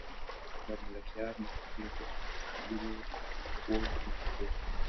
د ملکیار محبوب له ده څخه لرې و که نږدې؟